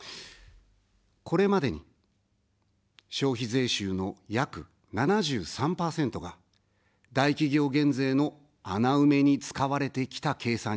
これまでに、消費税収の約７３％が大企業減税の穴埋めに使われてきた計算になります。